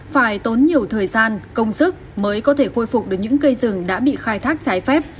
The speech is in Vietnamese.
phải tốn nhiều thời gian công sức mới có thể khôi phục được những cây rừng đã bị khai thác trái phép